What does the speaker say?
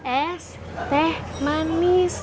es teh manis